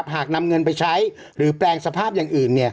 หากนำเงินไปใช้หรือแปลงสภาพอย่างอื่น